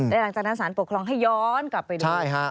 และหลังจากนั้นสารปกครองให้ย้อนกลับไปด้วย